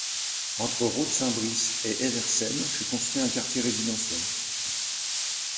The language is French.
Entre Rhode-Saint-Brice et Eversem fut construit un quartier résidentiel.